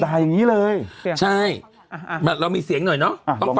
ได้อย่างงี้เลยใช่อ่าอ่าเรามีเสียงหน่อยเนอะอ่า